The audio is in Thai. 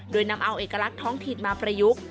โดยนำเอาเอกลักษณ์ท้องถิ่นมาประยุกต์